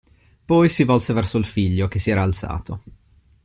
Poi si volse verso il figlio, che si era alzato.